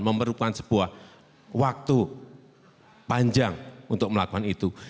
memerlukan sebuah waktu panjang untuk melakukan itu